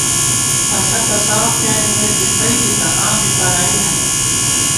تسہ تہ ساف پیانِمېت زی تئی تِتَہ، آں بی پنائی تھنَئیم